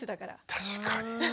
確かに。